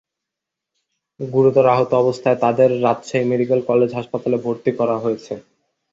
গুরুতর আহত অবস্থায় তাঁদের রাজশাহী মেডিকেল কলেজ হাসপাতালে ভর্তি করা হয়েছে।